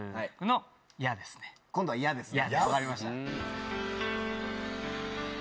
今度は「や」ですね。